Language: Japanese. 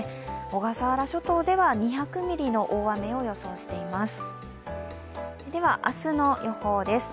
小笠原諸島では２００ミリの大雨を予想しています。